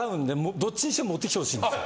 どっちにしても持ってきてほしいんですよ。